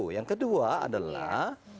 yang kedua adalah